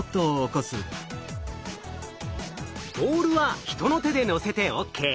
ボールは人の手で載せてＯＫ。